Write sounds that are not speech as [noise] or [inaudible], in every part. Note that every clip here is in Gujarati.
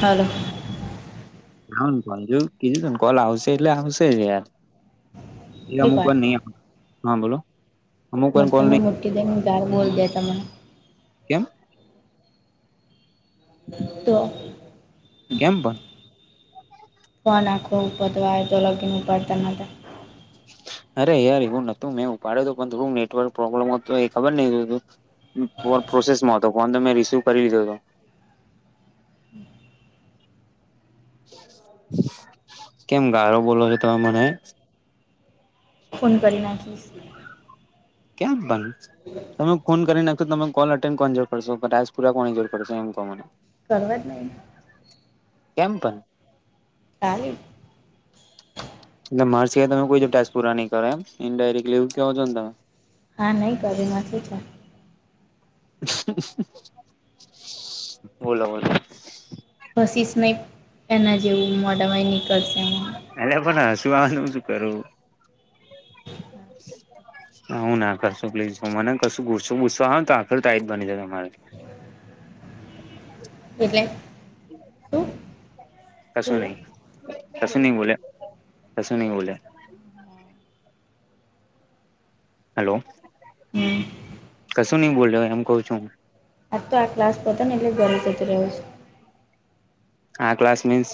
હાલો જા કોલ જો કીધું તું ને કોલ આવશે એટલે આવશે જયાર એ એક અમુક વાત પણ નહી હા બોલો અમુક વાર કોલ મોટ્ટામાં નહી મોટકી દેને જાર બોલ દે ત મને કેમ તો કેમ પણ ફન આખો ઉપતવાય તો લગીને પડતા ન હતા અરે યાર એવું નતું મેં ઉપાડ તો પણ થોું નેટવર્ક પ્રોબ્લેમત એ ખબર નહું પ્રોસેસમાં હતો ફોન તો મેં રિસીવ કરી લીધો હતો કેમ ગારો બોલો છો તમે મને ફોન કરી નાખઝ કે્યામ બન હ તમે ફોન કરી નાખો તમે કોલ અટેડ કોની જરૂર પશો રાજસપુરા કોની જોરૂરશો એમ ક મને કરવાવત નહી કેમ પણ તાલી એટલે મારી સિવાયમે કોઈ ટાસ પૂરા નઈ કરેમ ઇન્ડાયરેક્ટ લીવ ક છો ને તમે હા નહીં કર્યુંમાંથી છે બોલો બોલો પસીસ નહી એના જેવું મોડવાય નનીકળશે એ પણ હસું આનું શું કરું હ હું ના કરશું પ્લીઝ હું મને કશું ગૂસું પૂસો હ તો આખર તઈ જ બની જાય તમારે બટલે શ કશું નહી કશું નહી બોલ કશું નહી બોલ્યા હેલો હમ કશું નની બોલ્યો એમ ક છું આજ તો આ ક્લાસ બતા ને એટલે ઘરે જતી રહ્યો છે આ ક્લાસ મીન્સ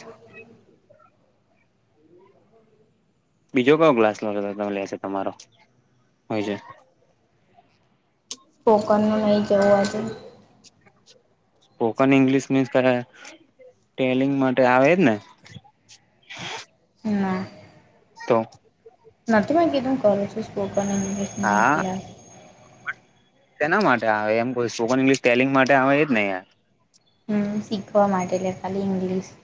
બીજો કયો ગ્લાસ લો તમે લેશે તમારો હોય છે કોકનનું નહીં કેવું છે સ્પોકન ઈંગ્લિશ મીન્સ ટેલિંગ માટે આવે જ ને હ તો નથીતિમાં કીધમ કોલેજ સ્ ઓપન હા ગ્લશમાંતીાર તેના માટે આવે એમ કોઈ સ્પોકન ઇંગ્લિશ ટેલિંગ માટે આવે એ જ નહીં. હ શીખવા માટેટ ખાલી ઇંગ્લિશ.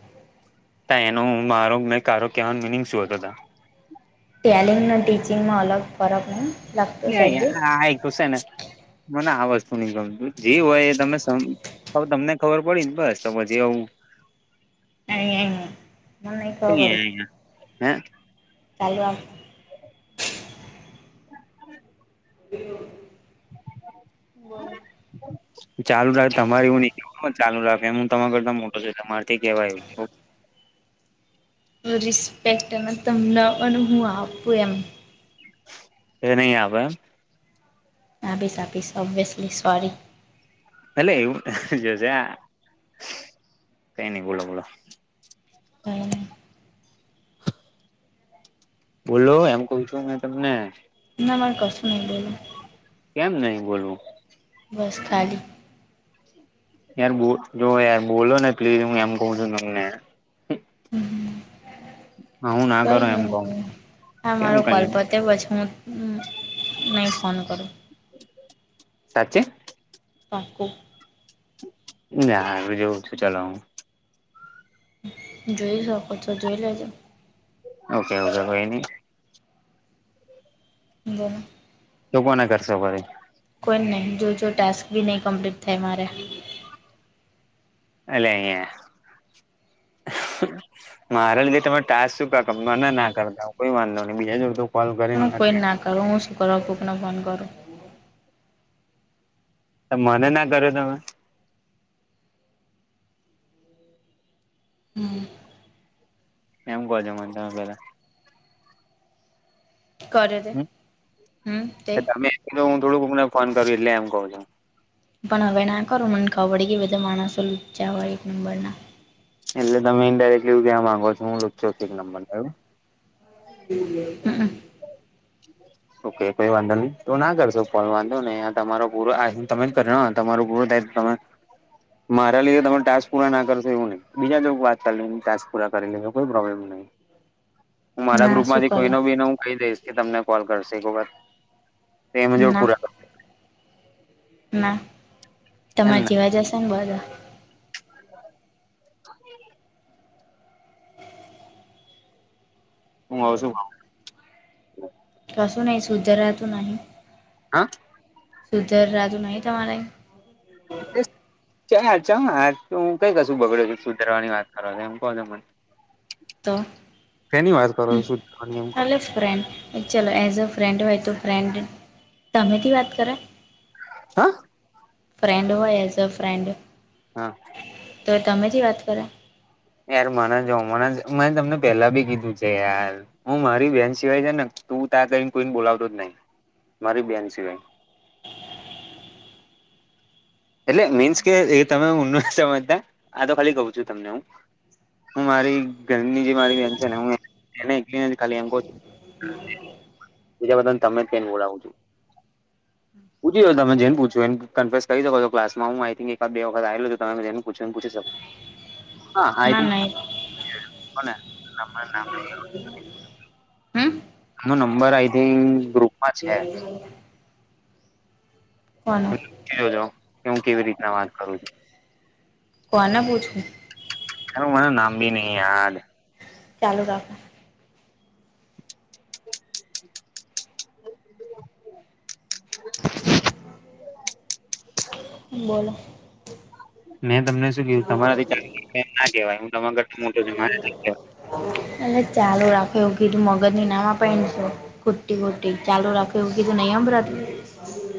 તા એનો મારો મે કો કેવાનું મિનિંગ શું હતો તા ટેલિંગના ટીચિંગમાં અલગ ફરક નહીં. લાગતો સબ્જેક્ટ આક્યું છે ને મને આ વસ્તુ નઈ ગમતું જે હોય એ તમે તમને ખબર પડી ને બસ તો પચી એવું. અહી ન નઈ કો પડી હે ચાલુઆ [inaudible] [inaudible] ચાલુ રાખે તમારે એવું ચાલુ રાખે હું તમારા કરતા મોટો છ તમારે થી કેવાયું. રિસ્પેક્ટ એને તમને અને હું આપું એમ? એટલે નઈ આપ એમ? હા આપીસ આપીસ ઓબ્વિસલી સોરી. ભલે એવું છે કઈ નઈ બોલો બોલો. [unintelligible] બોલો એમ કઉ છું મેં તમને. ના માર કશું નહી બોલો. કેમ નહી બોલવું? બસ ખાલી. [inaudible] યાર બો જો યાર બોલો ને પ્લી હું એમ કઉ છું તમને. હમ હું ના કઈ કરો એમ કઉ નઈ. હા કેમ મારો કોલ કઈ પતે પછી હું નહીં ફોન કરું. સાચચે? પાક્કુ. ના એ જોવું છું ચાલ હું. જોઈ શકો છો જોઈ લેજો. ઓકે ઓ છે કોઈ ન. ના. તો કોને કરશે ભરી? કોઈ નહીં જોજો ટાસ્ક બી નહીં કમ્પ્લીટ થાય મારે. અલે યા. મારા લીધે તમે ટા શ ક ના ના કરતા કોઈ વાંધ નો નહી બીજા જોડ કોલ કરીને હું વાત કોઈ ના કરું હું શુક્રવા ફૂકને ફોન કરું? મને ના કર્યો તમે હમ. એમ કોજ તમે પેલા. કરે તે હમ તે હ તમે હું થોડુંકક ને ફોન કરું એટલે એમ કઉ છું. પન હવે ના કરું મને ખબર પડી ગઈ બધા માણસો લુચ્ચા હોય એક નંબર ના. એટલે તમે ઇંડેરેકટલી એવું કેવા માંગો છો હું લુચો ચુ એક નંબર નો એવું? હન. [inaudible] ઓકે કોઈ વાંધો નહી તો ના કરશો ફોન વાંધો ને તમારો પૂરો તમે કર તમારું પૂરું ટાઈમ તમે મારા લીધે તમે ટાસ્ક પૂરા ના કરસો એવું નઈ બીજા જો વાત ચા ટાક પૂરા કરી લે કોઈ પ્રોબ્લેમ નહીં. હું મારા ના ગ્રુપ શું માંથી કોઈ ન કરવા બીને હું કહી દઈશ કે તમને કોલ કરશે એક વખત. તેજ ના પુરા ના કરશે તમારે એમને જેવા જશે ને બધા [inaudible] હું આવ છું બોલો કસું નહી સુજારતું નહી. હન? સુધર રાજુ નહીં તમારે? [inaudible] ચ ચ હ તું કઈ કશું બગડ્યું સુધારવાની વાત કરો એમ કહો ત મને તો શેની વાત કરો છો સુધારવાની એમ કહો હ ફ્રેન્ડ ચાલો એઝ અ ફ્રેન્ડ હોય તો ફ્રેન્ડ સામેથી વાત કરો હ ફ્રેન્ડ હોય એઝ અ ફ્રેન્ડ હા તો સામેથી વાત કર્યા યાર મને જો મને તમને પેલા બી કીધું છે યાર હું મારી બેહેન સિવાય છે ને તું ત્યા તને કોઈને બોલાવતો જ નહી મારી બેહેન સિવાય એટલે મીન્સ કે એ તમે હું ન સમજતા આ તો ખાલી કઉ છું તમને હું હું મારી ઘરની જે મારી બેન છે ને હું એને એક નથી ખાલી એમ કહુ છું બીજા બધાને તમે જ કઈ બોલાવું છું પૂછી તમે જેને પૂછ્યું એ કવેન્સ કરી શકો ક્લાસમાં હુએકાદ બે વખત છ તમેને પૂછીને પૂછી શકો ના નહી ના [unintelligible] હમ એનો નંબર આઈ થિંક ગ્રુપમાં છે કોણ જો કે હું કેવી રીતના વાત કરું છું કોના પૂછું એ મને નામબી નહી યાદ ચાલુ રાખે [inaudible] બોલો [unintelligible] મેં તમને શું કિધું તમારાથી ના કેવાય તમારાથી મોટો છુ અ ચાલું રાખે એવું કીધું મગજ ની ના માં પહેનશું ખુટી ખુટી ચાલો રાખો એવું કીધું નહી અંભરાતું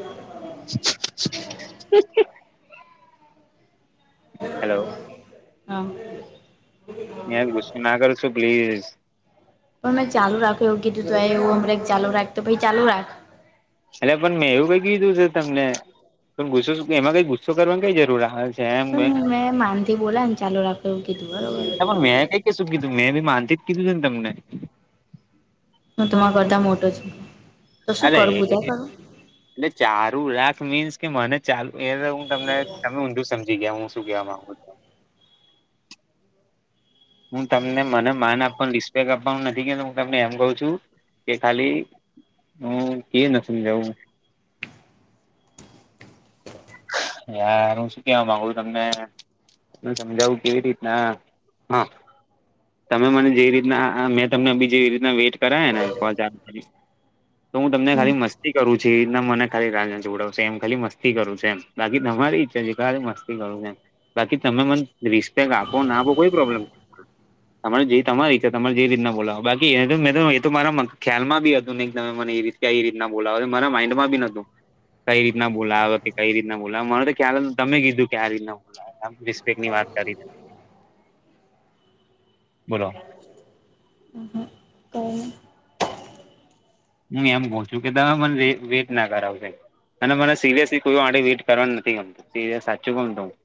તો [unintelligible] હેલો હા મેમ ગુસ્સે ના કર છું પ્લીઝ હ મેમે ચાલુ રાખો એવું કીધું તો એવું અમ ચાલુ રાખ તો ભાઈ ચાલુ રાખ એટલે પણ મેં એવું કઈ કીધું છે તમને પણ ગુસ્સો એમાં કઈ ગુસ્સો કરવાની કઈ જરૂર આવે છે એમ પણ મેં માન થી બોલાયા ને ચાલુ રાખો એવું કીધું બરોબર પણ મેં કઈ કશું કીધું મેં બી માનથી જ કીધું છે ને તમને હું તમારા કરતા મોટો છું તો અ શું કરું પૂજા [unintelligible] કરું એટલે ચાર રાખ મીન્સ કે મને ચાલુ એ હું તમને તમે ઊંધું સમજી ગયા હું શું કેહેવા માંગુ હું તમને મને માન આપવાનું રિસ્પેક આપવાનું નથી કે હું તમને એમ કઉ છું કે ખાલી હુ કે ન સમજાયુ હું યાર હું શું કેવા માંગુ છું તમને સમજાવું કેવી રીતના હા તમે મને જે રીતના મેં તમને બી જેવી રીતના વેટ કરાયે ને કો ર તો હું તમને હમ ખાલી મસ્તી કરું છું એના મને ખાલી રાહ ના જોડાવશે એમ ખાલી મસ્તી કરું છું બાકી તમારી ઈચ્છા છે કારે મસ્તી કરું કેમ બાકી તમે મને રિસ્પેક્ટ આપો ના આપો કોઈ પ્રોબ્લેમ તરે જે તમારી છે તમારે જેવી રીતના બોલાવ બાકી એ મે તો એ તો મારા ખ્યાલમાં બી હતું ને તમે મને એવી કઈ રીતના બોલાવે મારા માઈન્ડમાં નહોતુ કઈ રીતના બોલાવો કઈ રીતના બોલાવો મને તો ક્યા તમે કીધું કે આ રીતના બોલા રિસ્પેકની વાત કરી [inaudible] બોલો તો. હું એમ ગ છું કે તમે મ વેટ ના કરાવશે. અને મને સિરિયસલી કોઈ આેઇટ કરવાનું નથી ગમતું સિરિયસ સાચું ગમતું હું.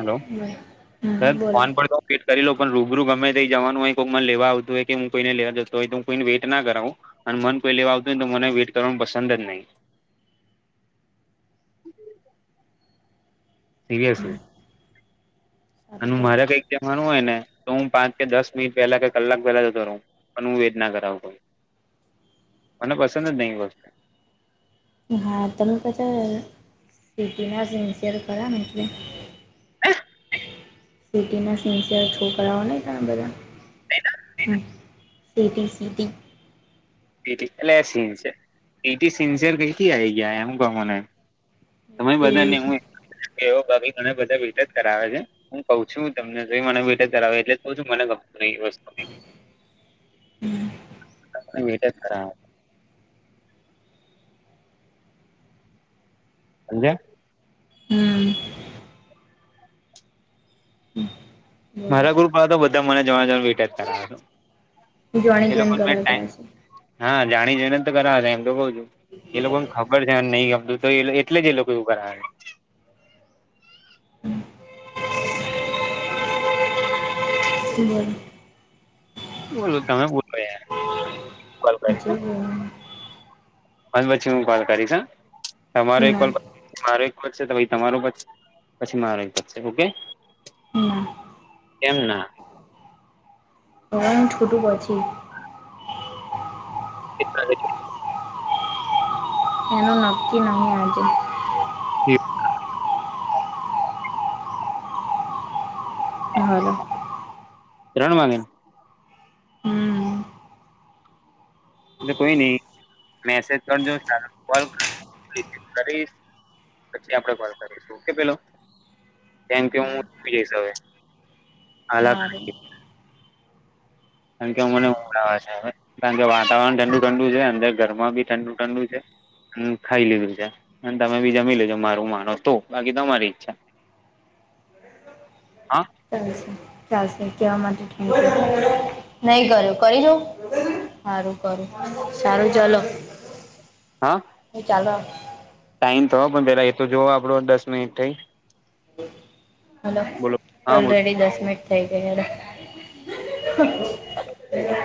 હલો નઈ હમ સર બોલો ફોન વેટ કરી લો પણ રૂબરૂ ગમેઈ જવાનું હોય કોઈમાં લેવા આવતું હોય કે હું કોઈને લેવા જતો હોય તો હું કોઈને વેટ ના કરાવું. અને મન કોઈ લેવા આવતું હોયને તો મને વેઇટ કરવાનું પસંદ જ નહી. સિરિયસ સારું અને મારે કેવાય કઈક માનું હોય ને તો હું પાંચ કે દસ મિનિટ પહેલા કે કલાક પહેલા જતો રહું. પણ હું વેદ ના કરાવતો મને પસંદ જ નહી વસ્તુ હા તમે કછ સિટી ના સિન્સર ખરા ને એટલે [inaudible] સિટી ના સિન્સિયર છોકરાઓ નહ તણે બધા. સીટી સિટી પી એટલે સનસીયર પીટી સિન્સેર કેથી આ ગયા એમ કવો મને? ત બધાને તેવું છે હ ઘણા બધા વિ જ કરાવે છે હું કઉ છું તમને જો મને ભ બેટે ધરાવે એટલે જ ક છું મને ગમતું ન એ વસ્તુ. [inaudible] હમ [unintelligible] [unintelligible] હમ મારા બોલો ગ્રુપ તો બધા મને જવા જ રિટ કરાવ હતો એ જોણી લોકો જોણ કરાવતા ટાઈમ હશે હા જાણી જઈને તો કરાવશે એમ તો કઉ એ લોકોને ખબર છે નહીં ગમતું તો એટલે જ એ લોકો એવું કર છે હમ્મ. બોલો તમે. જે [unintelligible] બોલવાનું હ પછી હું કોલ કરીશ તમારો એક ના કોલ મારો એક વ છે તમારો પછી મારો છે ઓકે ના કેમ ના. અમ થોટો વાચ્યું. [inaudible] હા એનું નક્કી નહીં આજે. એ. હા. તણમાંગને. હમ કોઈ નહી મેસેજ કરજો સારા [unintelligible] પછી આપણે કોલ કરીશું ઓકે પેલો. કેમ કે હું જઈશ હવે [inaudible] કારણ કે અ મનેવા છે કારણ કે વાતાવરણ ઠંડુ ઠંડુ છે અંદર ઘરમાં બી ઠંડુ ઠંડુ છે. હ ખાઈ લીધું છે અને તમે બીજા મી લજો મારું માનો તો બાકી તમારી ઈચ્છા. [inaudible] હા. ચાલશે ચાલશે કવા માટે ઠક નહી કર્યો કરી જાઉ હારું કરું સારું ચલો. હાં. હ ચાલો. ટાઈમ તો પણ પેલાં એ તો જોઓ આપણો દસ મિનિટ થઈ. હલો બોલો હા બોલો ઓલરેડી દસ મિનિટ થઈ ગઈ હ. [inaudible]